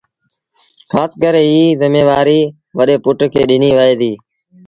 کآس ڪري ايٚ زميوآريٚ وڏي پُٽ کي ڏنيٚ وهي ديٚ